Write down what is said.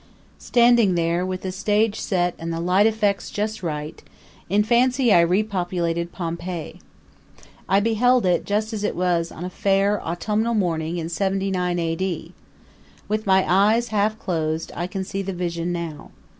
Standing there, with the stage set and the light effects just right, in fancy I repopulated Pompeii. I beheld it just as it was on a fair, autumnal morning in 79 A. D. With my eyes half closed, I can see the vision now.